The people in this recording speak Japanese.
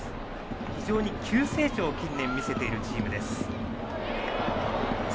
非常に急成長を近年見せているチームです。